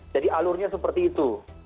jadi alurnya seperti itu